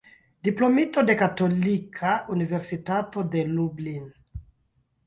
Diplomito de Katolika Universitato de Lublin.